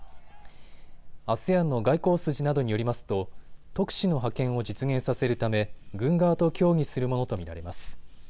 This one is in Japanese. ＡＳＥＡＮの外交筋などによりますと特使の派遣を実現させるため軍側と協議するものと見られます。